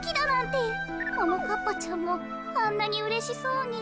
ももかっぱちゃんもあんなにうれしそうに。